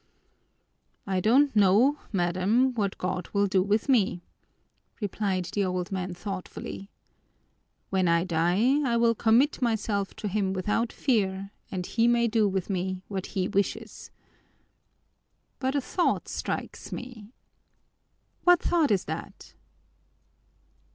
"I don't know, madam, what God will do with me," replied the old man thoughtfully. "When I die I will commit myself to Him without fear and He may do with me what He wishes. But a thought strikes me!" "What thought is that?"